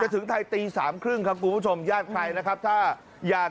ถึงไทยตีสามครึ่งครับคุณผู้ชมญาติใครนะครับถ้าอยาก